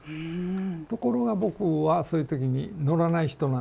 ところが僕はそういう時に乗らない人なんですよね。